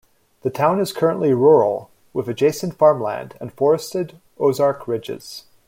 The town is currently rural, with adjacent farmland and forested Ozark ridges.